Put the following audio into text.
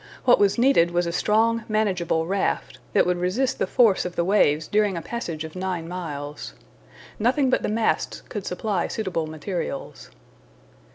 What was needed was a strong, manageable raft, that would resist the force of the waves during a passage of nine miles. Nothing but the masts could supply suitable materials.